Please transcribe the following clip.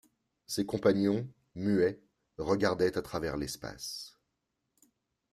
Ses compagnons, muets, regardaient à travers l’espace.